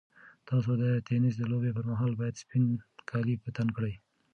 تاسو د تېنس د لوبې پر مهال باید سپین کالي په تن کړئ.